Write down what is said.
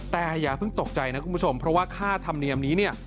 แต่อย่าเพิ่งตกใจนะคุณผู้ชมเพราะว่าค่าธรรมเนียมนี้เนี่ย